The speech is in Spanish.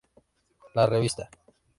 La revista".